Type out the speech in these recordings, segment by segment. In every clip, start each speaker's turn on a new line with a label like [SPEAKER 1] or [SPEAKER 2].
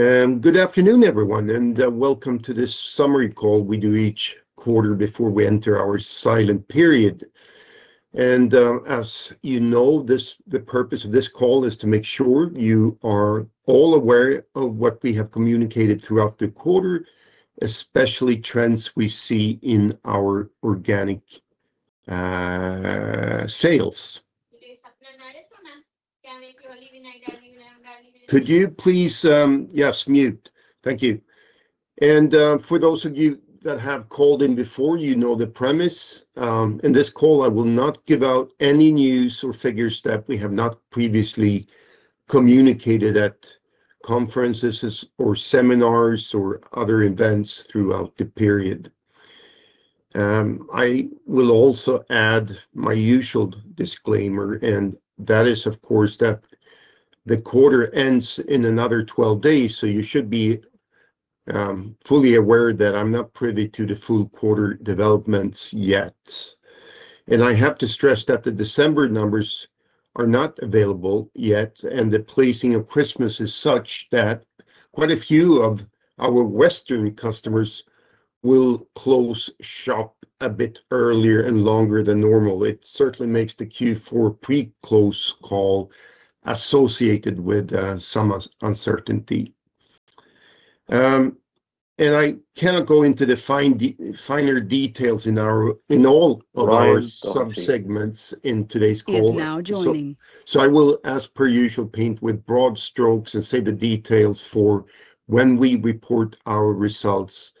[SPEAKER 1] Good afternoon, everyone, and welcome to this summary call we do each quarter before we enter our silent period. And as you know, the purpose of this call is to make sure you are all aware of what we have communicated throughout the quarter, especially trends we see in our organic sales. Could you please. Yes, mute. Thank you. And for those of you that have called in before, you know the premise: in this call, I will not give out any news or figures that we have not previously communicated at conferences or seminars or other events throughout the period. I will also add my usual disclaimer, and that is, of course, that the quarter ends in another 12 days, so you should be fully aware that I'm not privy to the full quarter developments yet. And I have to stress that the December numbers are not available yet, and the placing of Christmas is such that quite a few of our Western customers will close shop a bit earlier and longer than normal. It certainly makes the Q4 Pre-Close Call associated with some uncertainty. And I cannot go into the finer details in all of our subsegments in today's call.
[SPEAKER 2] He's now joining.
[SPEAKER 1] I will, as per usual, paint with broad strokes and save the details for when we report our results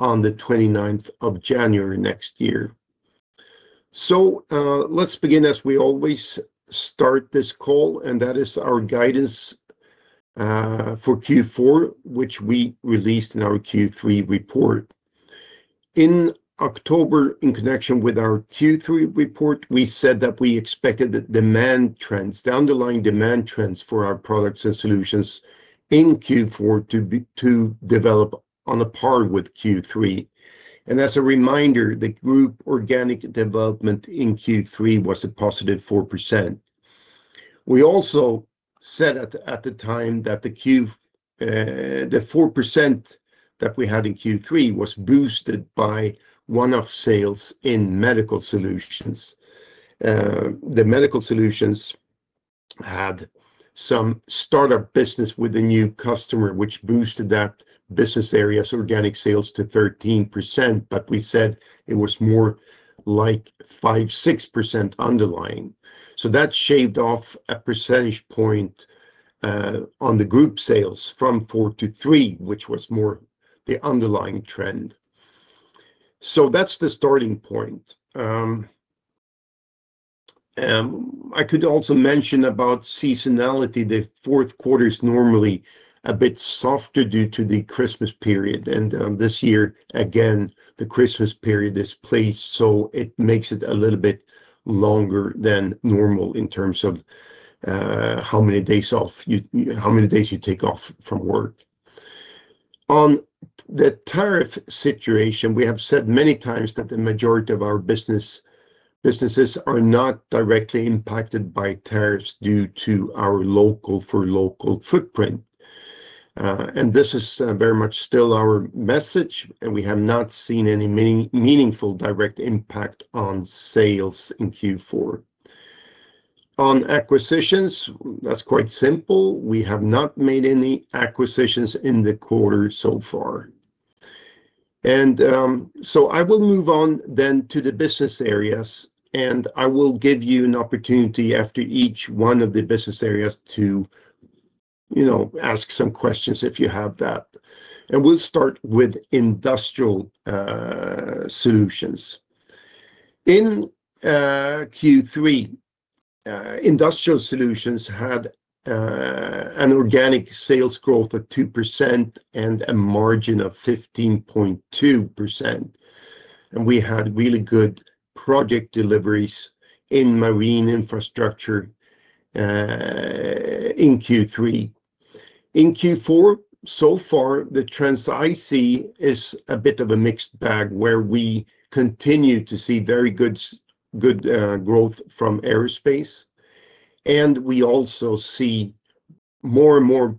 [SPEAKER 1] on the 29th of January next year. So let's begin, as we always start this call, and that is our guidance for Q4, which we released in our Q3 report. In October, in connection with our Q3 report, we said that we expected the demand trends, the underlying demand trends for our products and solutions in Q4 to develop on a par with Q3. And as a reminder, the Group organic development in Q3 was a positive 4%. We also said at the time that the 4% that we had in Q3 was boosted by one-off sales in Medical Solutions. Medical Solutions had some startup business with a new customer, which boosted that business area's organic sales to 13%, but we said it was more like 5%-6% underlying. So that shaved off a percentage point on the Group sales from 4% to 3%, which was more the underlying trend. So that's the starting point. I could also mention about seasonality. The fourth quarter is normally a bit softer due to the Christmas period. And this year, again, the Christmas period is placed, so it makes it a little bit longer than normal in terms of how many days off, how many days you take off from work. On the tariff situation, we have said many times that the majority of our businesses are not directly impacted by tariffs due to our local-for-local footprint. And this is very much still our message, and we have not seen any meaningful direct impact on sales in Q4. On acquisitions, that's quite simple. We have not made any acquisitions in the quarter so far. And so I will move on then to the business areas, and I will give you an opportunity after each one of the business areas to ask some questions if you have that. And we'll start with Industrial Solutions. In Q3, Industrial Solutions had an organic sales growth of 2% and a margin of 15.2%. And we had really good project deliveries in marine infrastructure in Q3. In Q4, so far, the trends I see is a bit of a mixed bag where we continue to see very good growth from aerospace. And we also see more and more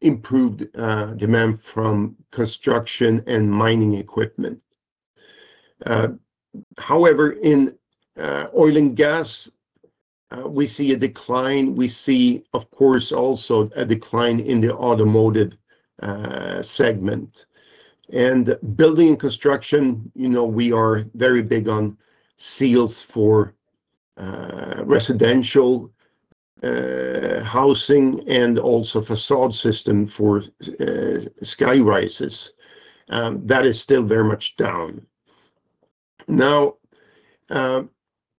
[SPEAKER 1] improved demand from construction and mining equipment. However, in oil and gas, we see a decline. We see, of course, also a decline in the automotive segment. And building and construction, we are very big on seals for residential housing and also facade systems for skyrises. That is still very much down. Now,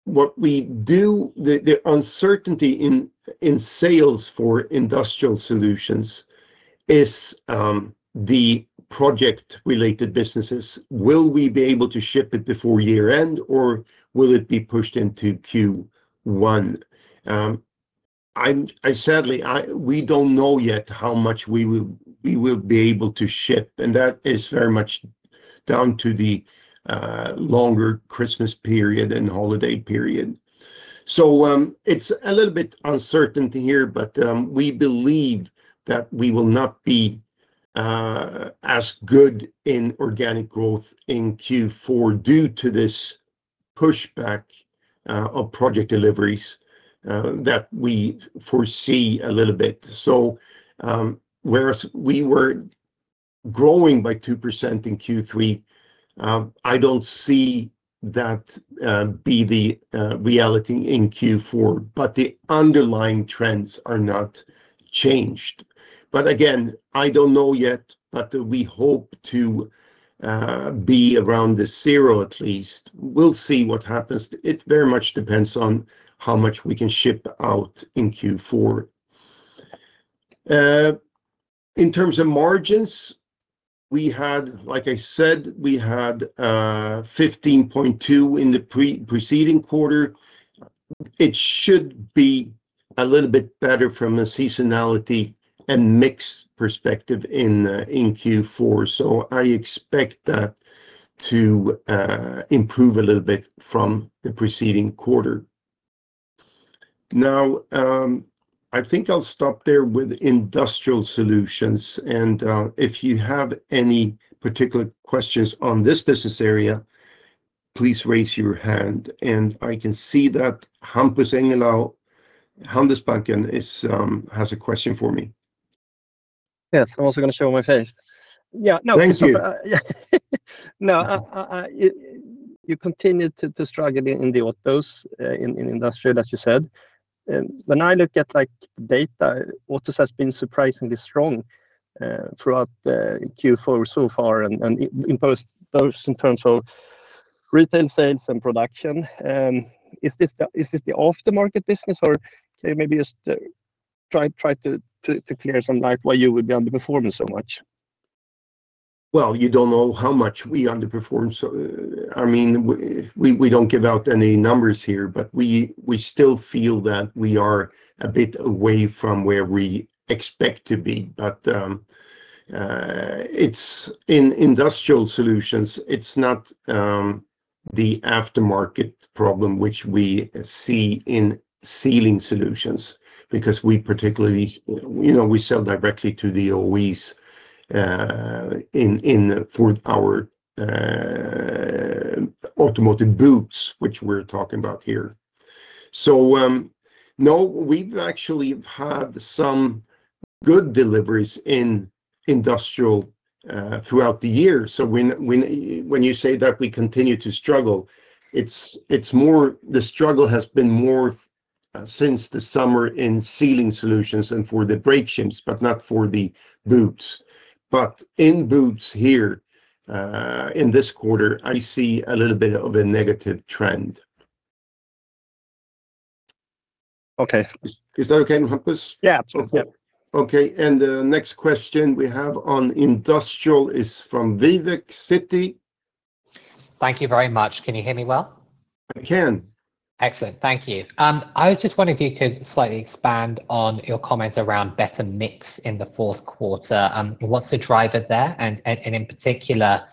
[SPEAKER 1] what we do, the uncertainty in sales for Industrial Solutions is the project-related businesses. Will we be able to ship it before year-end, or will it be pushed into Q1? Sadly, we don't know yet how much we will be able to ship, and that is very much down to the longer Christmas period and holiday period. So it's a little bit uncertain here, but we believe that we will not be as good in organic growth in Q4 due to this pushback of project deliveries that we foresee a little bit. So whereas we were growing by 2% in Q3, I don't see that be the reality in Q4, but the underlying trends are not changed. But again, I don't know yet, but we hope to be around the zero at least. We'll see what happens. It very much depends on how much we can ship out in Q4. In terms of margins, we had, like I said, we had 15.2% in the preceding quarter. It should be a little bit better from a seasonality and mix perspective in Q4. So I expect that to improve a little bit from the preceding quarter. Now, I think I'll stop there with Industrial Solutions. And if you have any particular questions on this business area, please raise your hand. And I can see that Hampus Engellau, Handelsbanken, has a question for me.
[SPEAKER 3] Yes, I'm also going to show my face. Yeah, no.
[SPEAKER 1] Thank you.
[SPEAKER 3] No, you continue to struggle in the autos and industry, as you said. When I look at data, autos has been surprisingly strong throughout Q4 so far and improved in terms of retail sales and production. Is this the aftermarket business, or can you maybe just try to shed some light on why you would be underperforming so much?
[SPEAKER 1] You don't know how much we underperform. I mean, we don't give out any numbers here, but we still feel that we are a bit away from where we expect to be. But in Industrial Solutions, it's not the aftermarket problem which we see in Sealing Solutions because we particularly, we sell directly to the OEs in our automotive boots, which we're talking about here. So no, we've actually had some good deliveries in Industrial Solutions throughout the year. So when you say that we continue to struggle, it's more the struggle has been more since the summer in Sealing Solutions and for the brake shims, but not for the boots. But in boots here in this quarter, I see a little bit of a negative trend.
[SPEAKER 3] Okay.
[SPEAKER 1] Is that okay, Hampus?
[SPEAKER 3] Yeah, absolutely.
[SPEAKER 1] Okay. And the next question we have on Industrial is from Vivek Midha, Citi.
[SPEAKER 4] Thank you very much. Can you hear me well?
[SPEAKER 1] I can.
[SPEAKER 4] Excellent. Thank you. I was just wondering if you could slightly expand on your comments around better mix in the fourth quarter. What's the driver there? And in particular,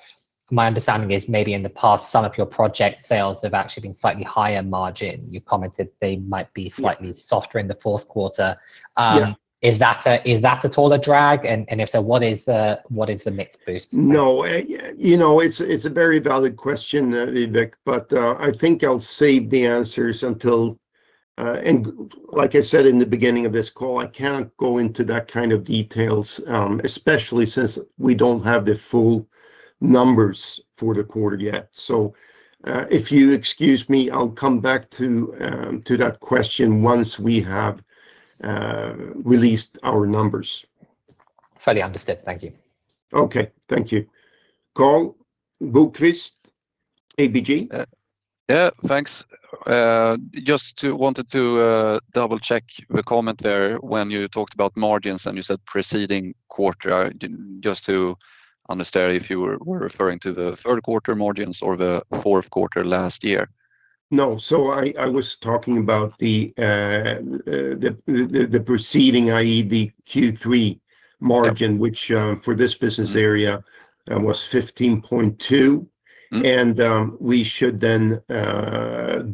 [SPEAKER 4] my understanding is maybe in the past, some of your project sales have actually been slightly higher margin. You commented they might be slightly softer in the fourth quarter. Is that a larger drag? And if so, what is the mix boost?
[SPEAKER 1] No, it's a very valid question, Vivek, but I think I'll save the answers until, and like I said in the beginning of this call, I can't go into that kind of details, especially since we don't have the full numbers for the quarter yet. So if you excuse me, I'll come back to that question once we have released our numbers.
[SPEAKER 4] Fully understood. Thank you.
[SPEAKER 1] Okay. Thank you. Karl Bokvist, ABG.
[SPEAKER 5] Yeah, thanks. Just wanted to double-check the comment there when you talked about margins and you said preceding quarter. Just to understand if you were referring to the third quarter margins or the fourth quarter last year.
[SPEAKER 1] No, so I was talking about the preceding, i.e., the Q3 margin, which for this business area was 15.2%, and we should then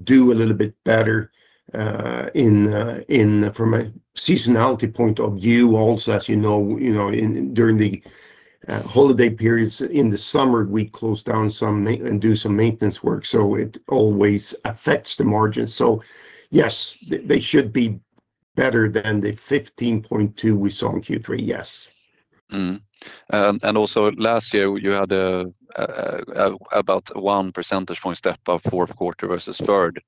[SPEAKER 1] do a little bit better from a seasonality point of view. Also, as you know, during the holiday periods in the summer, we close down some and do some maintenance work, so it always affects the margins, so yes, they should be better than the 15.2% we saw in Q3. Yes.
[SPEAKER 5] Also last year, you had about one percentage point step up fourth quarter versus third.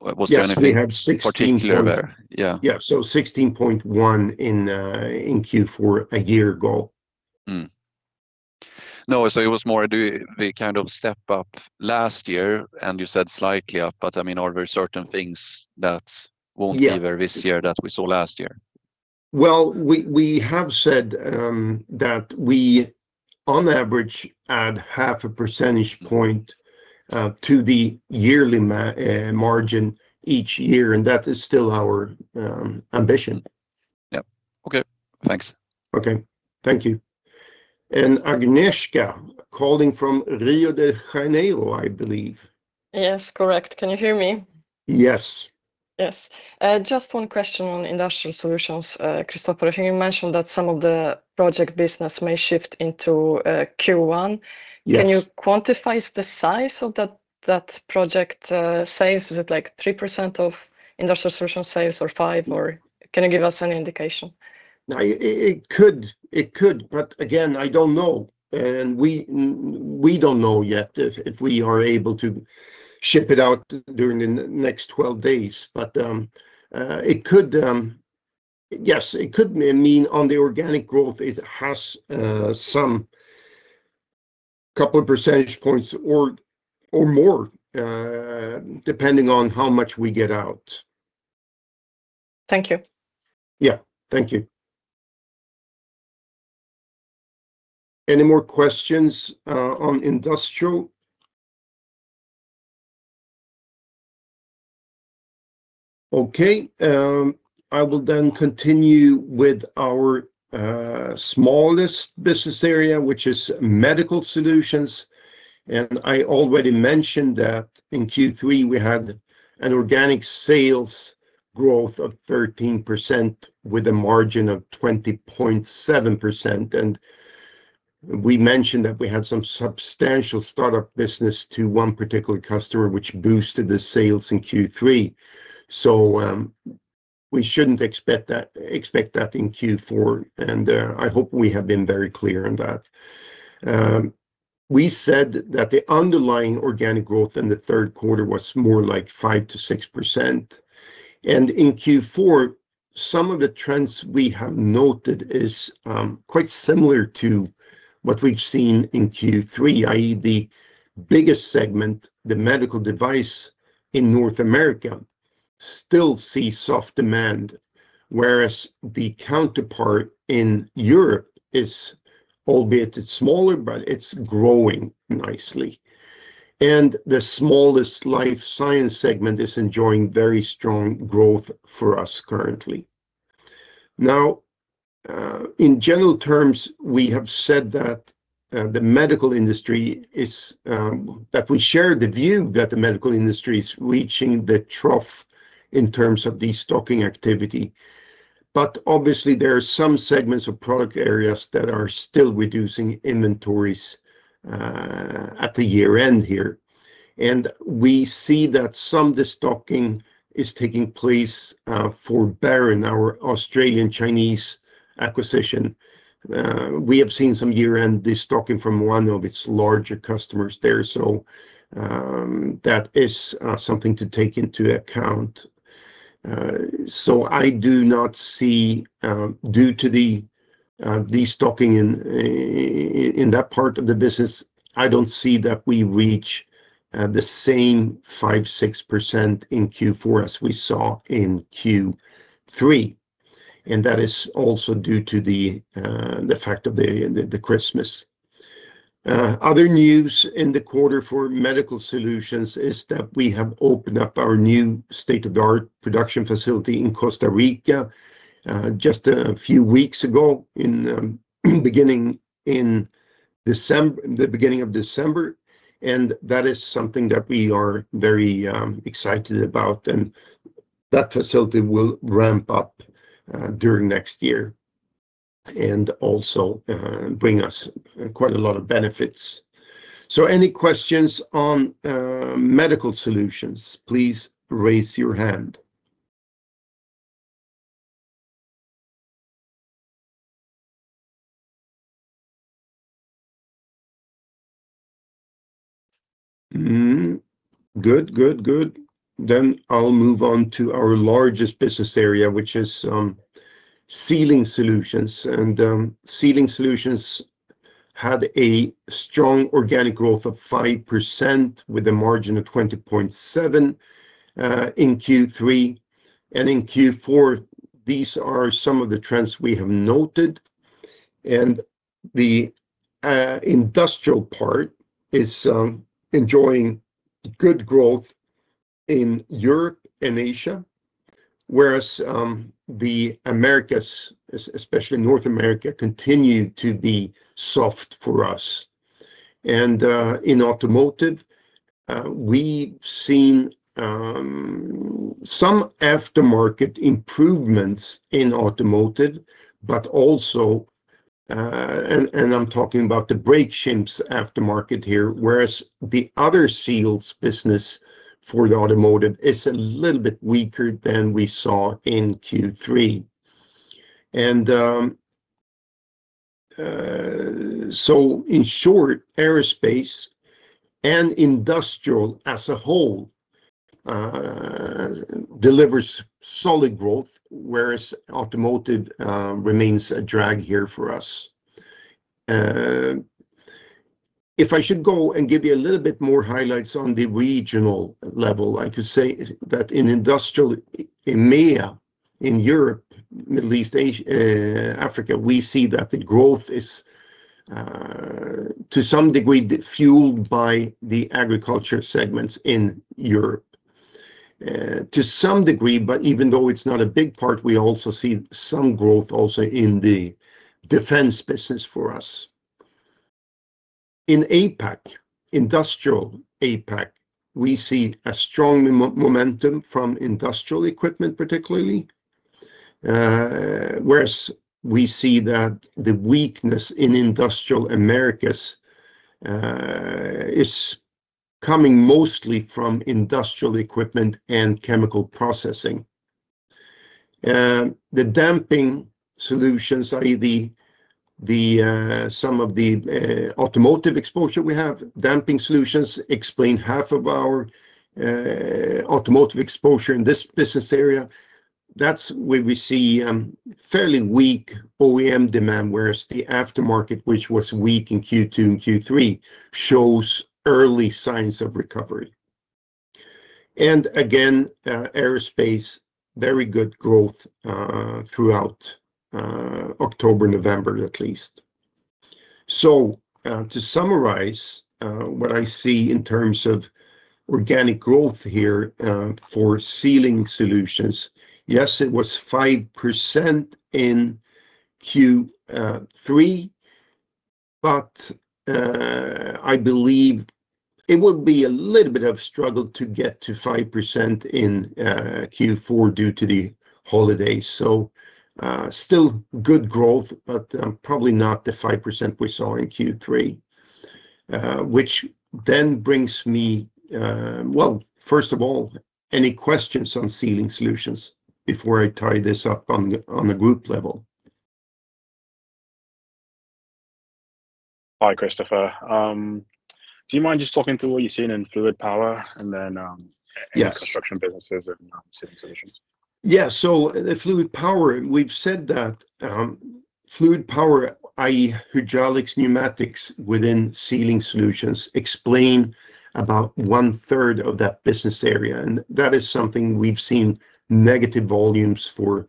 [SPEAKER 5] Was there anything particular there?
[SPEAKER 1] Yeah. So 16.1% in Q4 a year ago.
[SPEAKER 5] No, so it was more we kind of stepped up last year, and you said slightly up, but I mean, are there certain things that won't be there this year that we saw last year?
[SPEAKER 1] We have said that we, on average, add 0.5 percentage point to the yearly margin each year, and that is still our ambition.
[SPEAKER 5] Yeah. Okay. Thanks.
[SPEAKER 1] Okay. Thank you. And Agnieszka calling from Rio de Janeiro, I believe. Yes, correct. Can you hear me? Yes. Yes. Just one question on Industrial Solutions, Christofer. I think you mentioned that some of the project business may shift into Q1. Can you quantify the size of that project sales? Is it like 3% of Industrial Solutions sales or 5%? Can you give us any indication? It could, but again, I don't know, and we don't know yet if we are able to ship it out during the next 12 days, but yes, it could mean on the organic growth, it has some couple of percentage points or more, depending on how much we get out. Thank you. Yeah. Thank you. Any more questions on industrial? Okay. I will then continue with our smallest business area, which is Medical Solutions. And I already mentioned that in Q3, we had an organic sales growth of 13% with a margin of 20.7%. And we mentioned that we had some substantial startup business to one particular customer, which boosted the sales in Q3. So we shouldn't expect that in Q4, and I hope we have been very clear on that. We said that the underlying organic growth in the third quarter was more like 5%-6%. And in Q4, some of the trends we have noted are quite similar to what we've seen in Q3, i.e., the biggest segment, the medical device in North America, still sees soft demand, whereas the counterpart in Europe is albeit smaller, but it's growing nicely. The smallest life science segment is enjoying very strong growth for us currently. Now, in general terms, we have said that we share the view that the medical industry is reaching the trough in terms of the stocking activity. But obviously, there are some segments of product areas that are still reducing inventories at the year-end here. And we see that some of the stocking is taking place for Baron, our Australian Chinese acquisition. We have seen some year-end stocking from one of its larger customers there. So that is something to take into account. So I do not see, due to the stocking in that part of the business, I don't see that we reach the same 5%, 6% in Q4 as we saw in Q3. And that is also due to the fact of the Christmas. Other news in the quarter for Medical Solutions is that we have opened up our new state-of-the-art production facility in Costa Rica just a few weeks ago, beginning in the beginning of December. And that is something that we are very excited about. And that facility will ramp up during next year and also bring us quite a lot of benefits. So any questions on Medical Solutions, please raise your hand. Good, good, good. Then I'll move on to our largest business area, which is Sealing Solutions. And Sealing Solutions had a strong organic growth of 5% with a margin of 20.7% in Q3. And in Q4, these are some of the trends we have noted. And the industrial part is enjoying good growth in Europe and Asia, whereas the Americas, especially North America, continue to be soft for us. And in automotive, we've seen some aftermarket improvements in automotive, but also, and I'm talking about the brake shims aftermarket here, whereas the other seals business for the automotive is a little bit weaker than we saw in Q3. And so in short, aerospace and industrial as a whole delivers solid growth, whereas automotive remains a drag here for us. If I should go and give you a little bit more highlights on the regional level, I could say that in industrial EMEA in Europe, Middle East, Africa, we see that the growth is, to some degree, fueled by the agriculture segments in Europe. To some degree, but even though it's not a big part, we also see some growth also in the defense business for us. In APAC, industrial APAC, we see a strong momentum from industrial equipment, particularly, whereas we see that the weakness in industrial Americas is coming mostly from industrial equipment and chemical processing. The Damping Solutions, i.e., some of the automotive exposure we have, Damping Solutions explain half of our automotive exposure in this business area. That's where we see fairly weak OEM demand, whereas the aftermarket, which was weak in Q2 and Q3, shows early signs of recovery. And again, aerospace, very good growth throughout October, November, at least. So to summarize what I see in terms of organic growth here for Sealing Solutions, yes, it was 5% in Q3, but I believe it would be a little bit of a struggle to get to 5% in Q4 due to the holidays. So still good growth, but probably not the 5% we saw in Q3, which then brings me, well, first of all, any questions on Sealing Solutions before I tie this up on a Group level?
[SPEAKER 5] Hi, Christofer. Do you mind just talking to what you've seen in fluid power and then construction businesses and Sealing Solutions?
[SPEAKER 1] Yeah. So the fluid power, we've said that fluid power, i.e., hydraulics, pneumatics within Sealing Solutions explain about one-third of that business area. And that is something we've seen negative volumes for,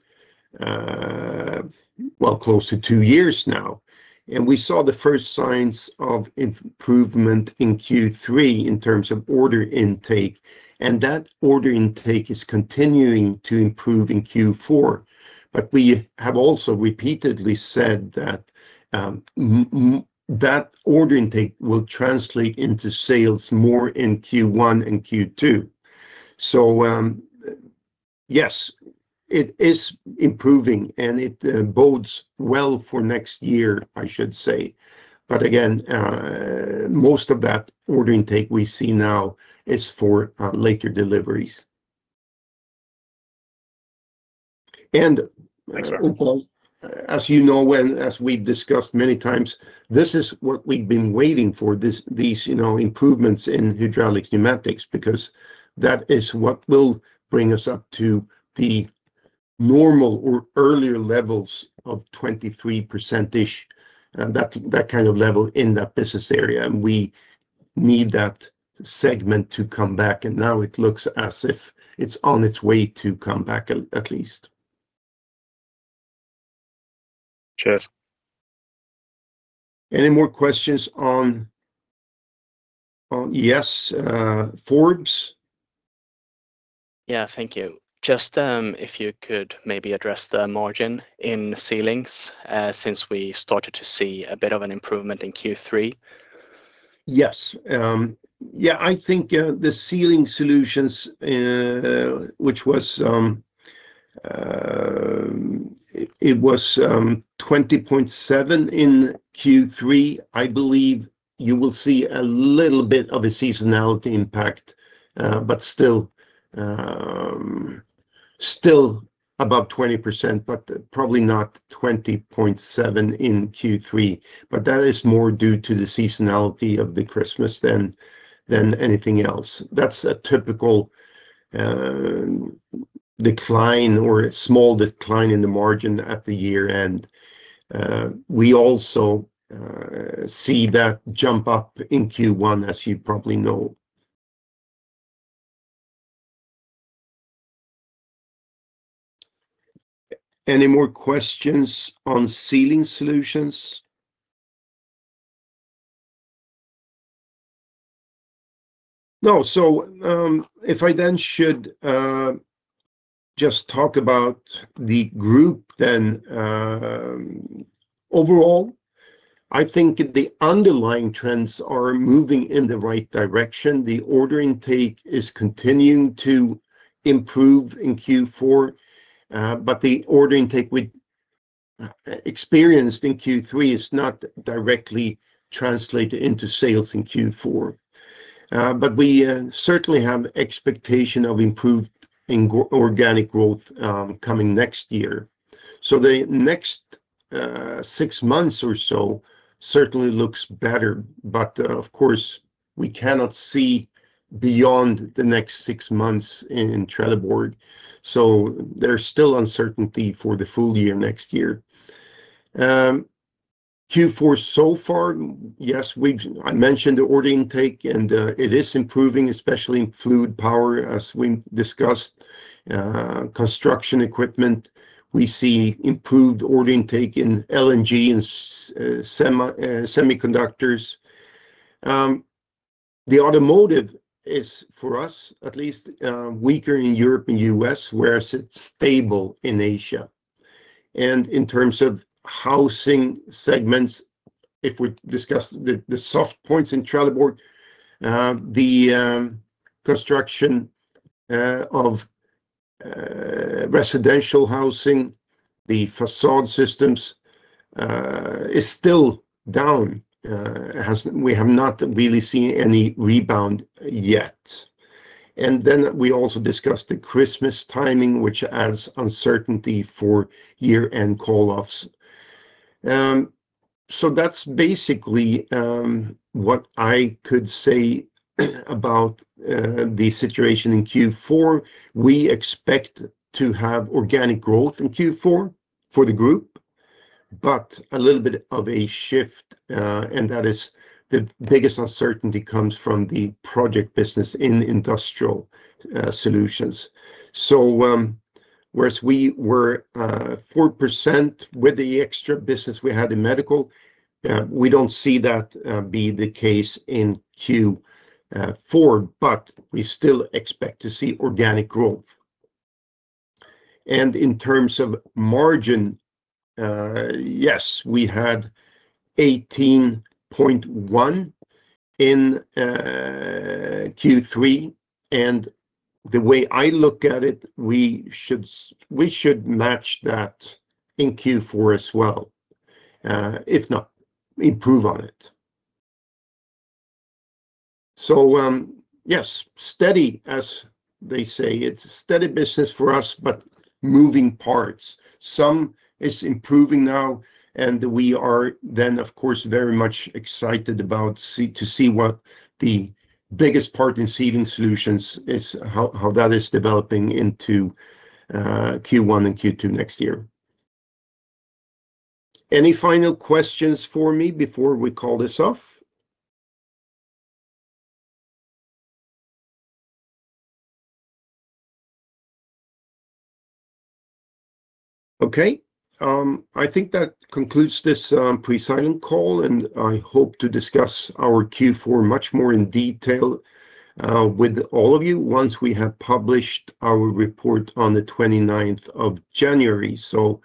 [SPEAKER 1] well, close to two years now. And we saw the first signs of improvement in Q3 in terms of order intake. And that order intake is continuing to improve in Q4. But we have also repeatedly said that that order intake will translate into sales more in Q1 and Q2. So yes, it is improving, and it bodes well for next year, I should say. But again, most of that order intake we see now is for later deliveries. And as you know, as we've discussed many times, this is what we've been waiting for, these improvements in hydraulics, pneumatics, because that is what will bring us up to the normal or earlier levels of 23%-ish, that kind of level in that business area. And we need that segment to come back. And now it looks as if it's on its way to come back, at least.
[SPEAKER 5] Cheers.
[SPEAKER 1] Any more questions? On yes, Forbes? Yeah. Thank you. Just if you could maybe address the margin in sealing since we started to see a bit of an improvement in Q3? Yes. Yeah. I think the Sealing Solutions, which was 20.7% in Q3, I believe you will see a little bit of a seasonality impact, but still above 20%, but probably not 20.7% in Q3. But that is more due to the seasonality of the Christmas than anything else. That's a typical decline or small decline in the margin at the year-end. We also see that jump up in Q1, as you probably know. Any more questions on Sealing Solutions? No. So if I then should just talk about the Group, then overall, I think the underlying trends are moving in the right direction. The order intake is continuing to improve in Q4, but the order intake we experienced in Q3 is not directly translated into sales in Q4. But we certainly have expectations of improved organic growth coming next year. So the next six months or so certainly looks better. But of course, we cannot see beyond the next six months in Trelleborg. So there's still uncertainty for the full year next year. Q4 so far, yes, I mentioned the order intake, and it is improving, especially in fluid power, as we discussed. Construction equipment, we see improved order intake in LNG and semiconductors. The automotive is, for us, at least, weaker in Europe and the U.S., whereas it's stable in Asia. And in terms of housing segments, if we discuss the soft points in Trelleborg, the construction of residential housing, the facade systems is still down. We have not really seen any rebound yet. And then we also discussed the Christmas timing, which adds uncertainty for year-end call-offs. So that's basically what I could say about the situation in Q4. We expect to have organic growth in Q4 for the Group, but a little bit of a shift. That is the biggest uncertainty comes from the project business in Industrial Solutions. So whereas we were 4% with the extra business we had in Medical, we don't see that be the case in Q4, but we still expect to see organic growth. And in terms of margin, yes, we had 18.1% in Q3. And the way I look at it, we should match that in Q4 as well, if not improve on it. So yes, steady, as they say. It's a steady business for us, but moving parts. Some is improving now. And we are then, of course, very much excited to see what the biggest part in Sealing Solutions is, how that is developing into Q1 and Q2 next year. Any final questions for me before we call this off? Okay. I think that concludes this pre-close call, and I hope to discuss our Q4 much more in detail with all of you once we have published our report on the 29th of January. So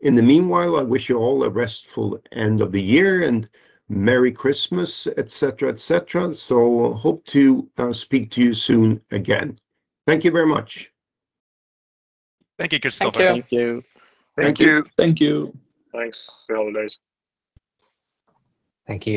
[SPEAKER 1] in the meanwhile, I wish you all a restful end of the year and Merry Christmas, etc., etc. So hope to speak to you soon again. Thank you very much.
[SPEAKER 3] Thank you, Christofer. Thank you.
[SPEAKER 4] Thank you. Thank you.
[SPEAKER 5] Thanks. Have a good day.
[SPEAKER 2] Thank you.